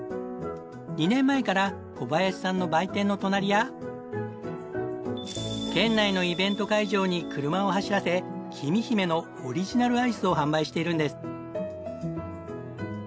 ２年前から小林さんの売店の隣や県内のイベント会場に車を走らせきみひめのオリジナルアイスを販売しているんです。